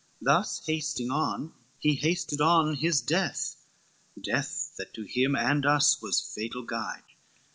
XII "Thus hasting on, he hasted on his death, Death that to him and us was fatal guide.